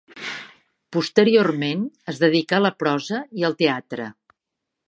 Posteriorment es dedicà a la prosa i al teatre.